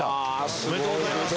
おめでとうございます。